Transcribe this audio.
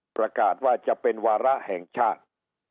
ประกาศว่าจะเป็นวาระแห่งชาติ